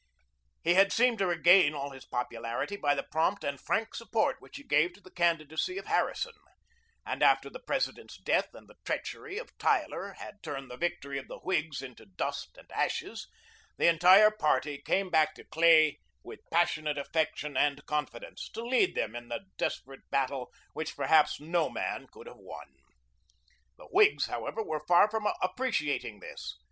He had seemed to regain all his popularity by the prompt and frank support which he gave to the candidacy of Harrison; and after the President's death and the treachery of Tyler had turned the victory of the Whigs into dust and ashes, the entire party came back to Clay with passionate affection and confidence, to lead them in the desperate battle which perhaps no man could have won. The Whigs, however, were far from appreciating this.